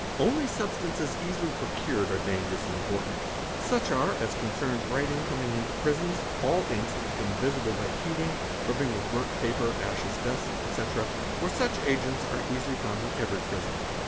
Only substances easily procured are dangerous and important; such are, as concerns writing coming into | prisons, allinks that become visible by heating, rubbing with burnt paper, ashes, dust, etc., for such agents are easily found in every prison.